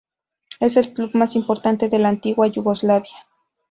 Es el club más importante de la antigua Yugoslavia.